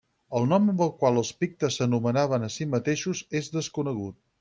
El nom amb el qual els pictes s'anomenaven a si mateixos és desconegut.